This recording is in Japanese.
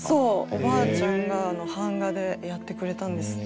おばあちゃんが版画でやってくれたんです。